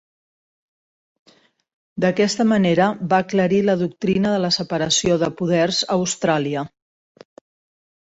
D'aquesta manera, va aclarir la doctrina de la separació de poders a Austràlia.